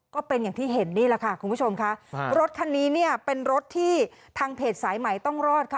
ก็เป็นอย่างที่เห็นนี่แหละค่ะคุณผู้ชมค่ะรถคันนี้เนี่ยเป็นรถที่ทางเพจสายใหม่ต้องรอดค่ะ